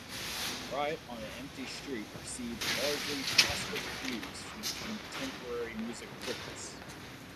"Riot on an Empty Street" received largely positive reviews from contemporary music critics.